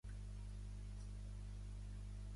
Dimarts en Guifré i na Berta aniran a Tales.